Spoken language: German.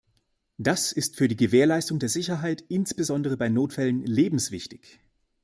Das ist für die Gewährleistung der Sicherheit, insbesondere bei Notfällen, lebenswichtig.